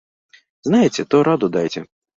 Знаеце, то раду дайце!